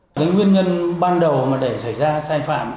cái nguyên nhân ban đầu mà để xảy ra sai phạm